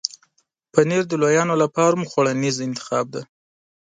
پنېر د لویانو لپاره هم خوړنیز انتخاب دی.